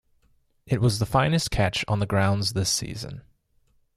It was the finest catch on the grounds this season.